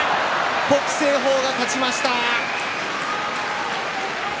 北青鵬が勝ちました。